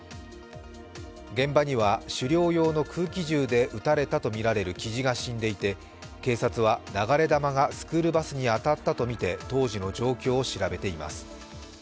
現場には狩猟用の空気銃で撃たれたとみられる、きじが死んでいて、警察は流れ弾がスクールバスに当たったとみて当時の状況を調べています。